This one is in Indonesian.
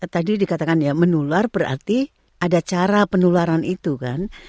tadi dikatakan ya menular berarti ada cara penularan itu kan